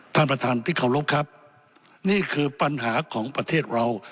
ท่านประธานที่เคารพครับนี่คือปัญหาของประเทศเรา